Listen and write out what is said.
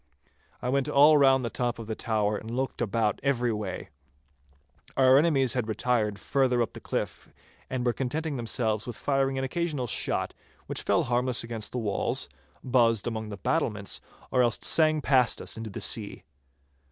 I went all round the top of the tower and looked about every way. Our enemies had retired further up the cliff, and were contenting themselves with firing an occasional shot, which fell harmless against the walls, buzzed among the battlements, or else sang past us into the sea.